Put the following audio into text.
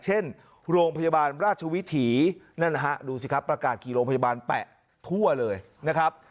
เช่นโรงพยาบาลราชวิถีนั่นนะฮะดูสิครับประกาศกี่โรงพยาบาลแปะทั่วเลยนะครับ